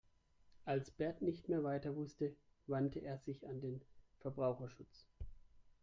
Als Bert nicht mehr weiter wusste, wandte er sich an den Verbraucherschutz.